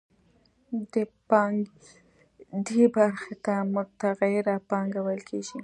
د پانګې دې برخې ته متغیره پانګه ویل کېږي